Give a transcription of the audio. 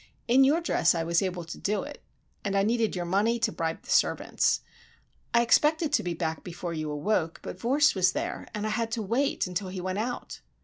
In your dress I was able to do it, and I needed your money to bribe the servants. I expected to be back before you awoke, but Vorse was there, and I had to wait until he went out."